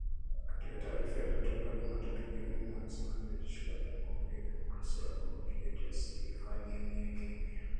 Katika taarifa iliyotolewa Jumatatu jioni na msemaji wa jeshi la Jamuhuri ya Demokrasia ya Kongo Brigedia Sylvain Ekenge